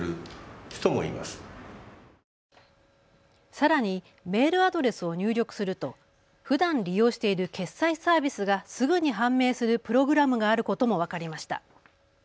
さらにメールアドレスを入力するとふだん利用している決済サービスがすぐに判明するプログラムがあることも分かりました。